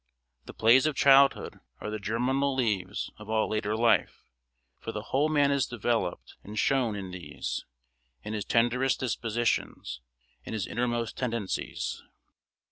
...The plays of childhood are the germinal leaves of all later life; for the whole man is developed and shown in these, in his tenderest dispositions, in his innermost tendencies."